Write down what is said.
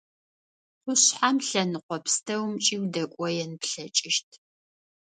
Къушъхьэм лъэныкъо пстэумкӏи удэкӏоен плъэкӏыщт.